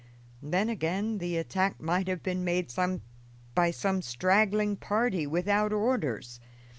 Then, again, the attack might have been made by some straggling party without orders.